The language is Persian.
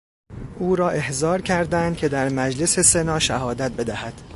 او را احضار کردند که در مجلس سنا شهادت بدهد.